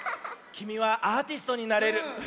きみはアーティストになれる。